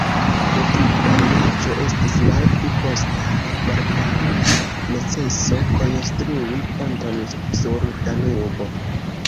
Do tiu variaĵo estis malpli kosta, malgraŭ la neceso konstrui ponton sur Danubo.